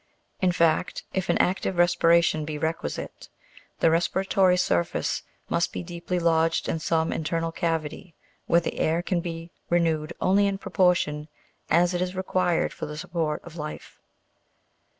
In fact, if an active respiration be requisite, the respiratory surface must be deeply lodged in some internal cavity where the air can be renew ed only in proportion as it is required for the support of life.